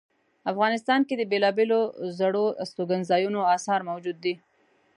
افغانستان کې د بیلابیلو زړو استوګنځایونو آثار موجود دي